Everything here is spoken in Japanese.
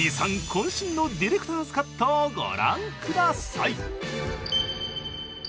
こん身のディレクターズカットをご覧ください！